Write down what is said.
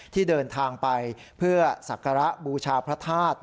ที่เดินทางไปเพื่อสักการะบูชาพระธาตุ